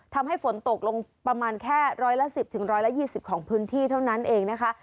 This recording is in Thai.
ทำให้ฝนตกลงประมาณแค่ร้อยละ๑๐๑๒๐ของพื้นที่เท่านั้นเองนะคะ